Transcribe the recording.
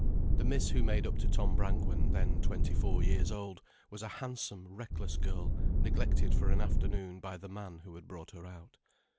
The Miss who made up to Tom Brangwen, then twenty four years old, was a handsome, reckless girl neglected for an afternoon by the man who had brought her out.